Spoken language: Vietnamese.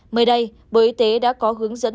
mới đây bộ y tế đã có hướng dẫn